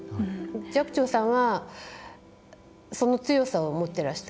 寂聴さんはその強さを持ってらした。